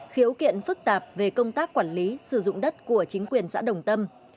khiếu kiện phức tạp về công tác quản lý sử dụng đất của chính quyền xã đồng tâm